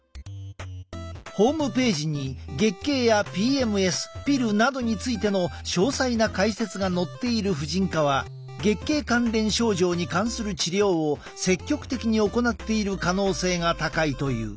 ホームページに月経やＰＭＳピルなどについての詳細な解説が載っている婦人科は月経関連症状に関する治療を積極的に行っている可能性が高いという。